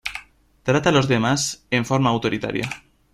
Trata a las demás en forma autoritaria.